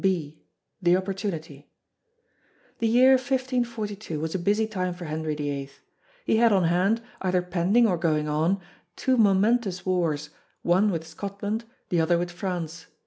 (b) The opportunity The year 1542 was a busy time for Henry VIII. He had on hand, either pending or going on, two momentous wars, one with Scotland the other with France.